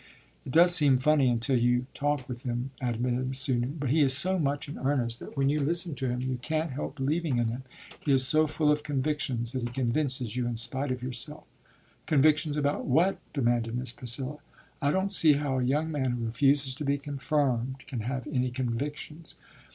"It does seem funny until you talk with him," admitted Susan. "But he is so much in earnest that when you listen to him, you can't help believing in him. He is so full of convictions that he convinces you in spite of yourself." "Convictions about what?" demanded Miss Priscilla. "I don't see how a young man who refuses to be confirmed can have any convictions."